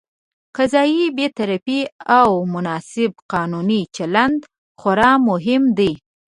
قضايي بېطرفي او مناسب قانوني چلند خورا مهم دي.